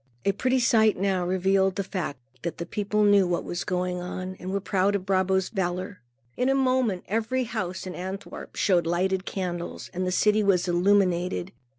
A pretty sight now revealed the fact that the people knew what had been going on and were proud of Brabo's valor. In a moment, every house in Antwerp showed lighted candles, and the city was illuminated.